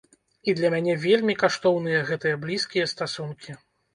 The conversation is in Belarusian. І для мяне вельмі каштоўныя гэтыя блізкія стасункі.